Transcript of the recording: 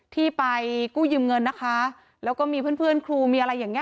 ที่ไปกู้ยืมเงินนะคะแล้วก็มีเพื่อนเพื่อนครูมีอะไรอย่างเงี้